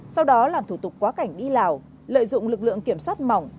sau đó làm thủ tục quá cảnh đi lào lợi dụng lực lượng kiểm soát mỏng